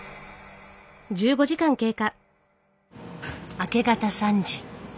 明け方３時。